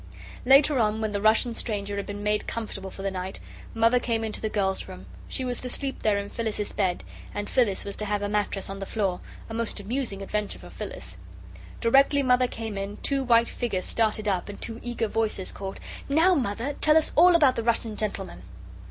Later on, when the Russian stranger had been made comfortable for the night, Mother came into the girls' room. She was to sleep there in Phyllis's bed, and Phyllis was to have a mattress on the floor, a most amusing adventure for Phyllis. Directly Mother came in, two white figures started up, and two eager voices called: "Now, Mother, tell us all about the Russian gentleman."